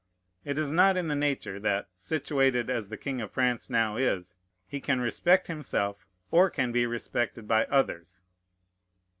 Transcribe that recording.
It is not in Nature, that, situated as the king of the French now is, he can respect himself or can be respected by others.